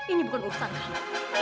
ini bukan urusan kamu